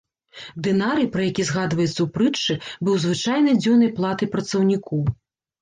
Дынарый, пра які згадваецца ў прытчы, быў звычайнай дзённай платай працаўніку.